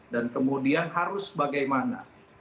dan kemudian harus bagaimana